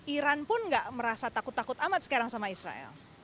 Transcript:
iran pun nggak merasa takut takut amat sekarang sama israel